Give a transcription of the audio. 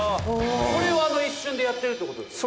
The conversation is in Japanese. これをあの一瞬でやってるってことですよね？